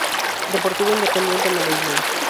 Deportivo Independiente Medellín.